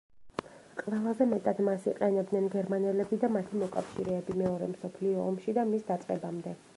ყველაზე მეტად მას იყენებდნენ გერმანელები და მათი მოკავშირეები, მეორე მსოფლიო ომში და მის დაწყებამდე.